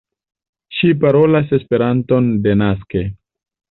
Ŝi parolas Esperanton denaske.